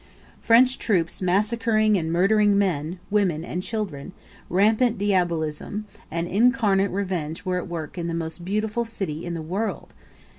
French troops massacring and murdering men, women, and children; rampant diabolism, and incarnate revenge were at work in the most beautiful city in the world!